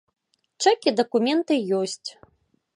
Чэк і дакументы ёсць.